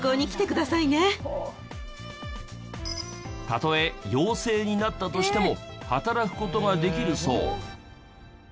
たとえ陽性になったとしても働く事ができるそう。